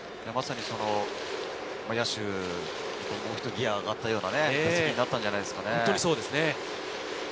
野手がもうひとギア上がったような打席になったんじゃないですかね。